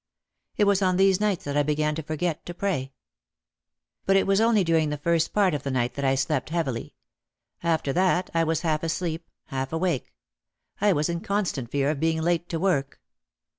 It was on these nights that I began to forget to pray. But it was only during the first part of the night that I slept heavily. After that I was half asleep, half awake. I was in constant fear of being late to work.